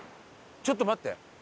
ちょっと待って。